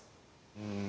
うん。